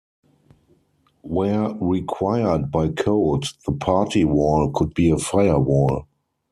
Where required by code, the party wall could be a firewall.